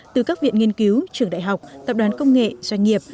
từ các viện nghiên cứu trường đại học tập đoàn công nghệ doanh nghiệp